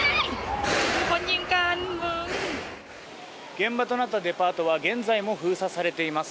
現場となったデパートは現在も封鎖されています。